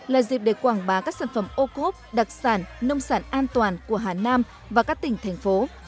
là dịp để quảng bá các sản phẩm ô cốp đặc sản nông sản an toàn của hà nam và các tỉnh thành phố